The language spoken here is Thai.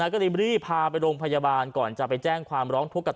ก็เลยรีบพาไปโรงพยาบาลก่อนจะไปแจ้งความร้องทุกข์กับ